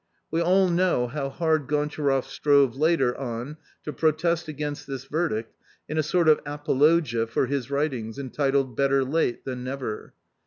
We all know how hard Gontcharoff strove later on to protest against this verdict in a sort of apologia for his writings, entitled Better Late than Never.